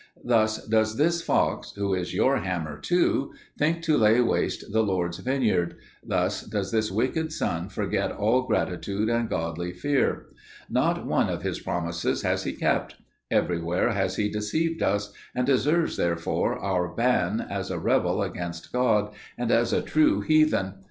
Thus does this fox who is your hammer too think to lay waste the Lord's vineyard; thus does this wicked son forget all gratitude and godly fear. Not one of his promises has he kept; everywhere has he deceived us; and deserves, therefore, our ban, as a rebel against God, and as a true heathen.